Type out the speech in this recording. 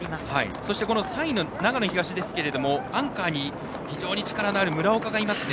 そして３位の長野東ですがアンカーに非常に力のある村岡がいますね。